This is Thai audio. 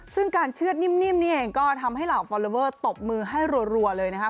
ซึ่งการเชื่อดนิ่มก็ทำให้หลักฟอร์เลเวอร์ตบมือให้รัวเลยนะครับ